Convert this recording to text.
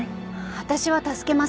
私は助けません。